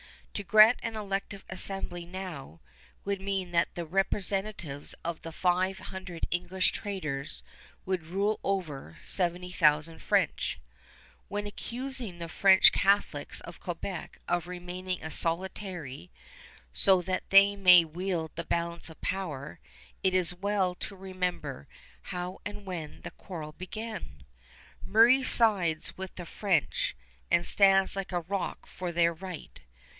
To grant an elective assembly now would mean that the representatives of the five hundred English traders would rule over 70,000 French. When accusing the French Catholics of Quebec of remaining a solidarity so that they may wield the balance of power, it is well to remember how and when the quarrel began. Murray sides with the French and stands like a rock for their right.